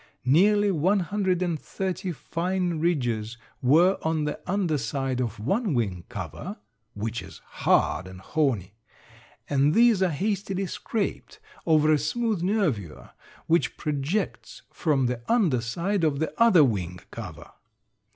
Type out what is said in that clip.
Nearly one hundred and thirty fine ridges were on the under side of one wing cover (which is hard and horny), and these are hastily scraped over a smooth nervure which projects from the under side of the other wing cover.